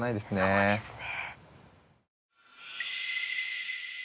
そうですね。